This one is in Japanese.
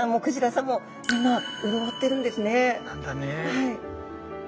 はい。